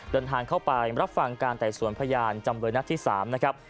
เดินทางเข้าไปรับฟังการไต่สวนพยานจำเลยนัดที่๓นะครับ